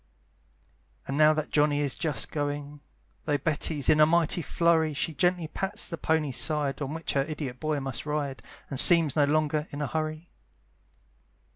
And now that Johnny is just going, Though Betty's in a mighty flurry, She gently pats the pony's side, On which her idiot boy must ride, And seems no longer in a hurry.